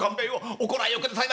おこらえをくださいまし。